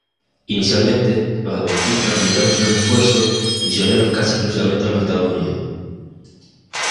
Inicialmente, los adventistas limitaron sus esfuerzos misioneros casi exclusivamente a los Estados Unidos.